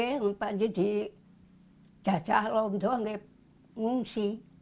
tidak saya di jajah saya diungsi